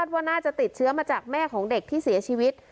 ว่าน่าจะติดเชื้อมาจากแม่ของเด็กที่เสียชีวิต